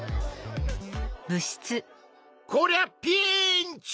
こりゃピンチ！